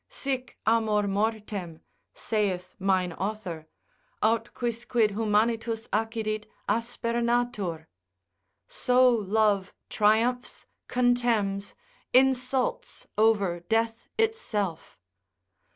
Sic amor mortem, (saith mine author) aut quicquid humanitus accidit, aspernatur, so love triumphs, contemns, insults over death itself.